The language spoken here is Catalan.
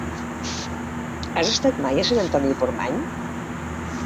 Has estat mai a Sant Antoni de Portmany?